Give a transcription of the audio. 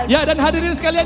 ya dan hadirin sekalian